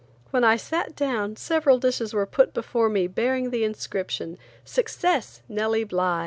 When I sat down, several dishes were put before me bearing the inscription, "Success, Nellie Bly."